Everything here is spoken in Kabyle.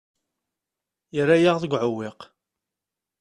Yerra-yaɣ deg uɛewwiq.